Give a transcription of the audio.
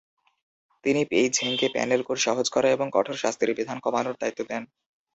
তিনি পেই ঝেংকে panel code সহজ করা এবং কঠোর শাস্তির বিধান কমানোর দায়িত্ব দেন।